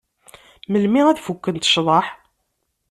Melmi ad fukkent cḍeḥ?